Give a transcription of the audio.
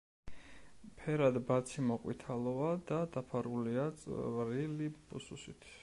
ფერად ბაცი მოყვითალოა და დაფარულია წვრილი ბუსუსით.